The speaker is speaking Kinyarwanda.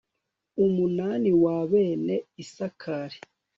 umunani wa bene isakari